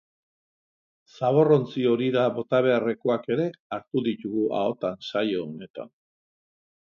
Zaborrontzi horira bota beharrekoak ere hartu ditugu ahotan saio honetan.